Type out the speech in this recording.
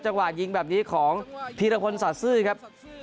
จังหวัดยิงแบบนี้ของพีรพลสัตซึครับ